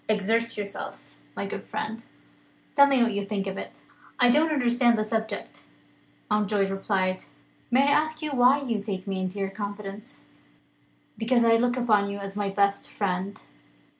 Exert yourself, my good friend. Tell me what you think of it?" "I don't understand the subject," Mountjoy replied. "May I ask why you take me into your confidence?" "Because I look upon you as my best friend."